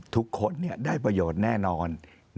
ทุกคนได้ประโยชน์แน่นอน